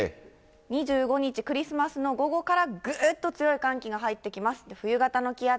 ２５日クリスマスの午後からぐっと強い寒気が入ってきます。